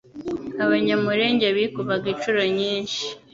Abanyamulenge bikubaga inshuro nyinshi